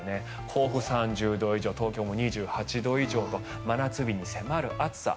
甲府、３０度以上東京も２８度以上と真夏日に迫る暑さ。